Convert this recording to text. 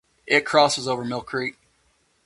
It crosses over Mill Creek.